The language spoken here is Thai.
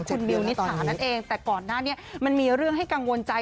คุณมิวนิษฐานั่นเองแต่ก่อนหน้านี้มันมีเรื่องให้กังวลใจ